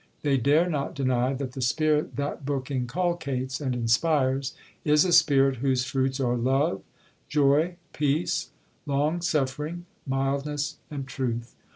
They dare not deny that the spirit that book inculcates and inspires, is a spirit whose fruits are love, joy, peace, long suffering, mildness, and truth.